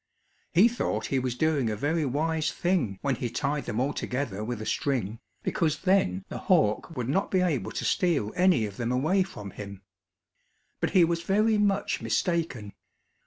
He thought he was doing a very wise thing when he tied them all together with a string, because then the hawk would not be able to steal any of them away from him. But he was very much mistaken.